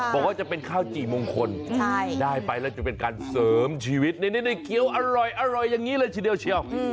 บอกว่าจะเป็นข้าวจี่มงคลได้ไปแล้วจะเป็นการเสริมชีวิตเคี้ยวอร่อยอย่างนี้เลยทีเดียวเชียว